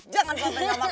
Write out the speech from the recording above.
jangan selalu tidak makan